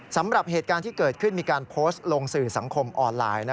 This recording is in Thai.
สำหรับเหตุการณ์ที่เกิดขึ้นมีการโพสต์ลงสื่อสังคมออนไลน์